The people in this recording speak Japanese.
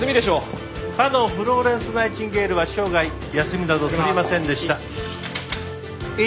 かのフローレンス・ナイチンゲールは生涯休みなど取りませんでした。